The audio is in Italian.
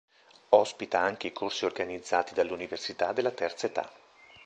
Ospita anche i corsi organizzati dall'Università della Terza Età.